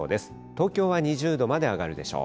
東京は２０度まで上がるでしょう。